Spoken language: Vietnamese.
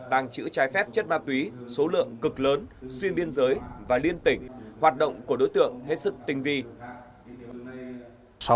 tàng trữ trái phép chất ma túy số lượng cực lớn xuyên biên giới và liên tịch